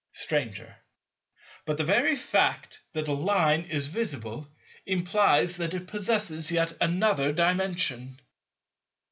Stranger. But the very fact that a Line is visible implies that it possesses yet another Dimension.